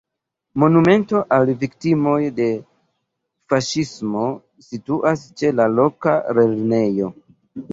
Monumento al viktimoj de faŝismo situas ĉe la loka lernejo.